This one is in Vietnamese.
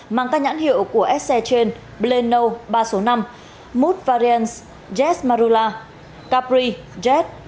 mang các nhãn hiệu của sc chain blend no ba số năm mood variants jet marula capri jet